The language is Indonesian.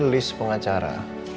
ini list pengacara